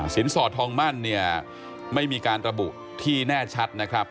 สอดทองมั่นเนี่ยไม่มีการระบุที่แน่ชัดนะครับ